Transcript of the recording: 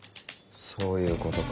そういうことか。